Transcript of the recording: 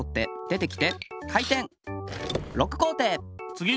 つぎ！